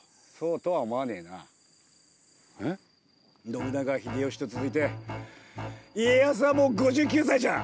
信長秀吉と続いて家康はもう５９歳じゃ。